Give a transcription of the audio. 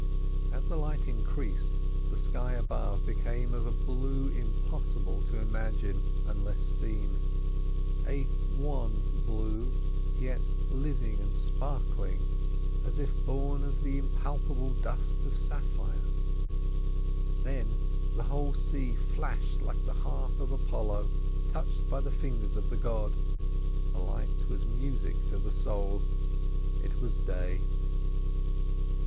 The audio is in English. As the light increased the sky above became of a blue impossible to imagine unless seen, a wan blue, yet living and sparkling as if born of the impalpable dust of sapphires. Then the whole sea flashed like the harp of Apollo touched by the fingers of the god. The light was music to the soul. It was day.